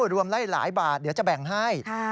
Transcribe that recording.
รวมไล่หลายบาทเดี๋ยวจะแบ่งให้